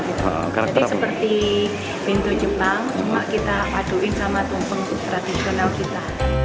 jadi seperti pintu jepang cuma kita aduin sama tumpeng tradisional kita